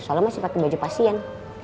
soalnya masih pakai baju pasien